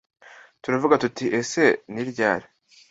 turavuga tuti ese ni ryari